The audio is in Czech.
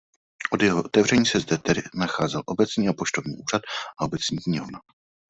Od jeho otevření se zde tedy nacházel obecní a poštovní úřad a obecní knihovna.